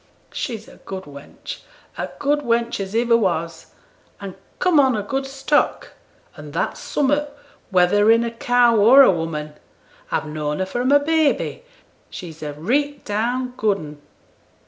'She's a good wench a good wench as iver was an come on a good stock, an' that's summat, whether in a cow or a woman. A've known her from a baby; she's a reet down good un.'